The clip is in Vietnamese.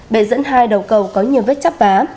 bệ dẫn hai đầu cầu có nhiều vết chắp vá